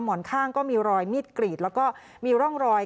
หมอนข้างก็มีรอยมีดกรีดแล้วก็มีร่องรอย